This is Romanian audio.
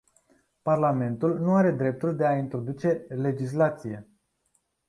Parlamentul nu are dreptul de a introduce legislație.